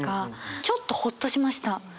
ちょっとホッとしました。